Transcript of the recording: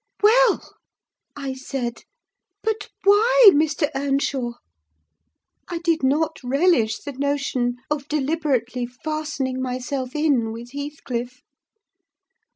"Well!" I said. "But why, Mr. Earnshaw?" I did not relish the notion of deliberately fastening myself in with Heathcliff.